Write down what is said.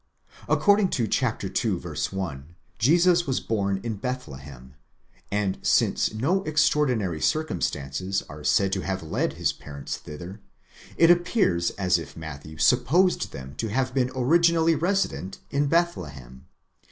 According to ii. 1, Jesus was born in Bethlehem, and since no extraordinary circumstances are said to have led his parents thitier, it appears as if Matthew supposed them to have been originally resident in Bethlehem.